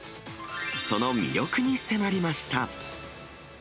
その魅力に迫りました。